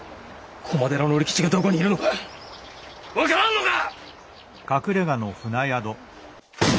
駒寺の利吉がどこにいるのか分からんのか！？